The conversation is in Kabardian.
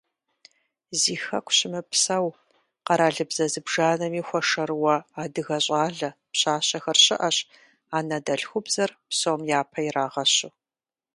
Зи Хэку щымыпсэу, къэралыбзэ зыбжанэми хуэшэрыуэ адыгэ щӀалэ, пщащэхэр щыӀэщ, анэдэлъхубзэр псом япэ ирагъэщу.